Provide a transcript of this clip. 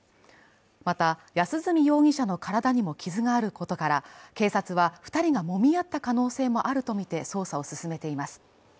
また、安栖容疑者の体にも傷があることから警察は、２人がもみ合った可能性もあるとみて捜査を進めています。